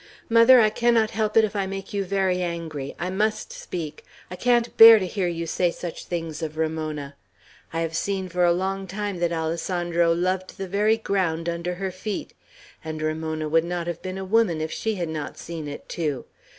"Mother, I cannot help it if I make you very angry; I must speak; I can't bear to hear you say such things of Ramona. I have seen for a long time that Alessandro loved the very ground under her feet; and Ramona would not have been a woman if she had not seen it too!